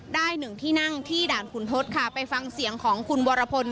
หนึ่งที่นั่งที่ด่านขุนทศค่ะไปฟังเสียงของคุณวรพล